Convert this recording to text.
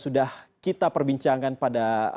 sudah kita perbincangkan pada